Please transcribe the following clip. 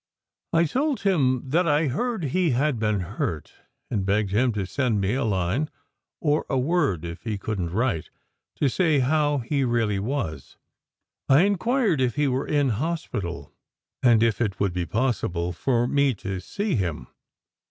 I told him that I heard he had been hurt, and begged him to send me a line or a word if he couldn t write to say how he really was. I inquired if he were in hospital, and if it would be possible for me to see him.